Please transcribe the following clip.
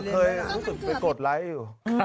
เคยรู้สึกไปกดไลค์อยู่